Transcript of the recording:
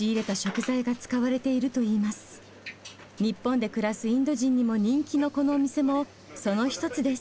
日本で暮らすインド人にも人気のこのお店もその一つです。